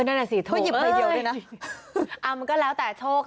นั่นแหละสีโถหยิบไปเดี๋ยวด้วยนะอ่ามันก็แล้วแต่โชค